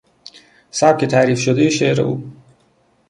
سبک تحریف شدهی شعر او